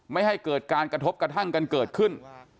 ไม่ให้เกิดการกระทบกระทั่งกันเกิดขึ้น